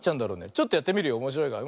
ちょっとやってみるよおもしろいから。